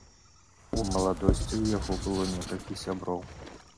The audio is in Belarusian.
У маладосці ў яго было некалькі сяброў.